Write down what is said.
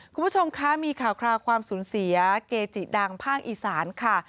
คุณผู้ชมคะมีข่าวคราวความสูญเสียเกจิดังภาคอีสานค่ะ